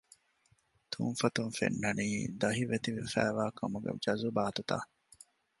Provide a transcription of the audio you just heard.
ތުންފަތުން ފެންނަނީ ދަހިވެތި ވެފައިވާކަމުގެ ޖަޒުބާތުތައް